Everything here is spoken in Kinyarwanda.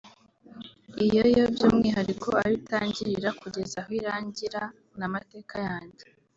iyo yo by'umwihariko aho itangirira kugeza aho irangira ni amateka yanjye